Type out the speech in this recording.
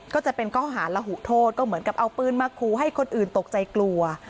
ก็จะเป็นข้อหาระหุโทษก็เหมือนกับเอาปืนมาคูให้คนอื่นตกใจกลัว